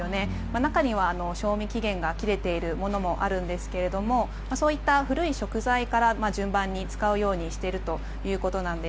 中には、賞味期限が切れているものもあるんですけどそういった古い食材から順番に使うようにしているということなんです。